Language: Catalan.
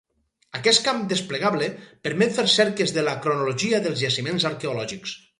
Aquest camp desplegable permet fer cerques de la cronologia dels jaciments arqueològics.